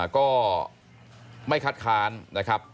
ก็ไม่คัดค้านนะครับ